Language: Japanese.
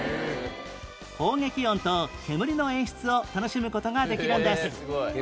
砲撃音と煙の演出を楽しむ事ができるんです